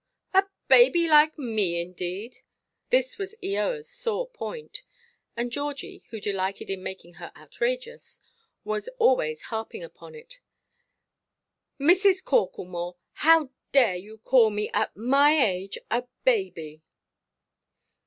"A baby like me, indeed!" This was Eoaʼs sore point; and Georgie, who delighted in making her outrageous, was always harping upon it. "Mrs. Corklemore, how dare you call me, at my age, a baby?"